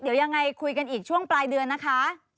เดี๋ยวยังไงคุยกันอีกช่วงปลายเดือนนะคะ